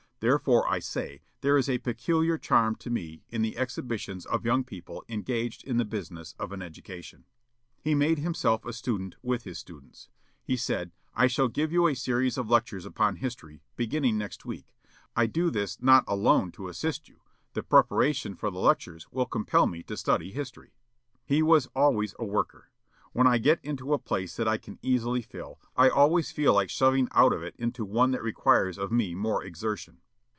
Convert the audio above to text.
Therefore, I say, there is a peculiar charm to me in the exhibitions of young people engaged in the business of an education." He made himself a student with his students. He said: "I shall give you a series of lectures upon history, beginning next week. I do this not alone to assist you; the preparation for the lectures will compel me to study history." He was always a worker. "When I get into a place that I can easily fill, I always feel like shoving out of it into one that requires of me more exertion."